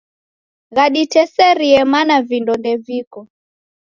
Ghaditeserie mana vindo ndeviko.